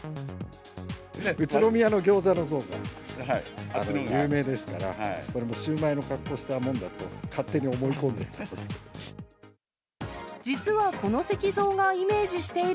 宇都宮のギョーザの像が有名ですから、これもシューマイの格好をしたもんだと、勝手に思い込んでいた。